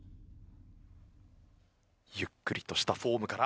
ゆっくりとしたフォームから。